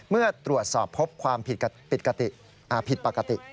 เมื่อตรวจสอบพบความผิดปกติ